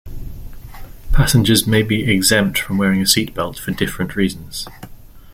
Passengers may be exempt from wearing a seat belt for different reasons.